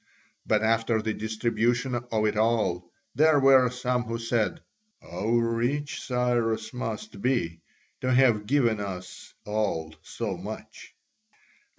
But after the distribution of it all there were some who said: "How rich Cyrus must be, to have given us all so much!"